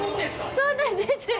そうなんですよ。